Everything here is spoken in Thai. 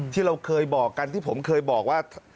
ที่เราเคยบอกกันที่ผมเคยบอกว่า